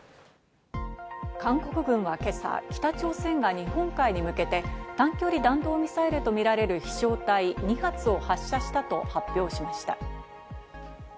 韓国軍は今朝、北朝鮮が日本海に向けて短距離弾道ミサイルとみられる飛翔体２発を発射したと発表しました。